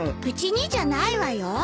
うちにじゃないわよ。